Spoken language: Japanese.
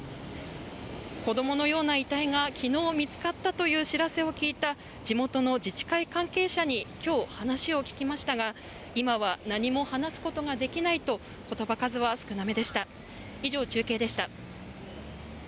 子供のような遺体が昨日見つかったという知らせを聞いた地元の自治会関係者に今日、話を聞きましたが今は何も話すことができないと言葉数は少なめでした。